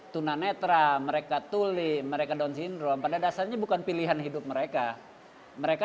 tunanetra mereka tuli mereka down syndrome pada dasarnya bukan pilihan hidup mereka mereka